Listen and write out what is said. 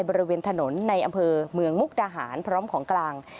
บริเวณถนนในอำเภอเมืองมุกดาหารพร้อมของกลาง